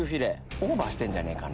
オーバーしてんじゃないかな。